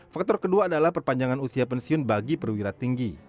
faktor kedua adalah perpanjangan usia pensiun bagi perwira tinggi